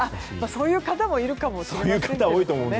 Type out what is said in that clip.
そういう方もいるかもしれませんね。